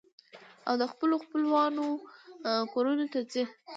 او د خپلو خپلوانو کورنو ته ځي.